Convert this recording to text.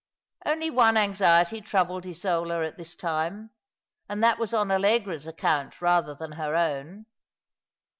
Only one anxiety troubled Isola at this time, and that was on AUegra's account rather than her own.